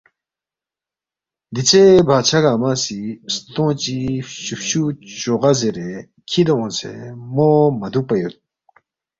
دیژے بادشاہ گنگمہ سی ستونگ چی فچُو فچو چوغا ریرے کِھدے اونگسے مو مہ دُوکپا یود